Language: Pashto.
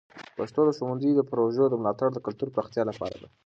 پښتو د ښونځي د پروژو ملاتړ د کلتور د پراختیا لپاره ده.